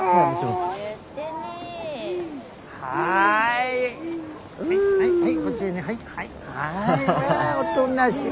まあおとなしい。